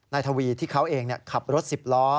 นายทวีที่เขาเองขับรถสิบล้อ